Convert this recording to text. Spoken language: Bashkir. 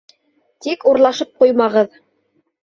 — Тик урлашып ҡуймағыҙ!